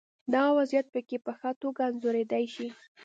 دا وضعیت پکې په ښه توګه انځورېدای شي.